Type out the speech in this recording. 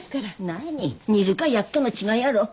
何煮るか焼くかの違いやろ。